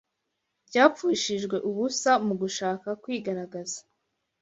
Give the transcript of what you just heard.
ryapfushijwe ubusa mu gushaka kwigaragaza